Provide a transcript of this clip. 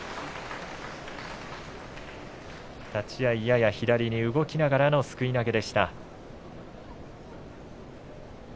立ち合い、やや左に動きながらのすくい投げでした。